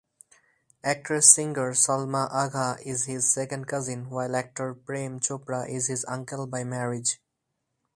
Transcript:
Actress-singer Salma Agha is his second cousin, while actor Prem Chopra is his uncle-by-marriage.